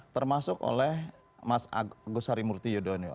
termasuk oleh mas agus harimurti yudhoyono